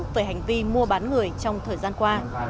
về hành vi mua bán người trong thời gian qua